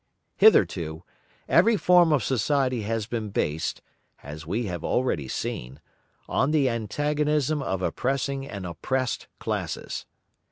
Hitherto, every form of society has been based, as we have already seen, on the antagonism of oppressing and oppressed classes.